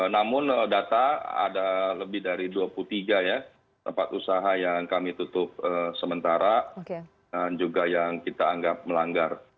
namun data ada lebih dari dua puluh tiga ya tempat usaha yang kami tutup sementara dan juga yang kita anggap melanggar